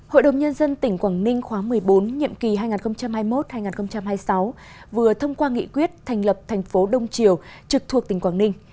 hội đồng nhân dân tỉnh quảng ninh khóa một mươi bốn nhiệm kỳ hai nghìn hai mươi một hai nghìn hai mươi sáu vừa thông qua nghị quyết thành lập thành phố đông triều trực thuộc tỉnh quảng ninh